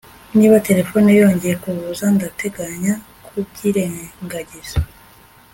Niba terefone yongeye kuvuza ndateganya kubyirengagiza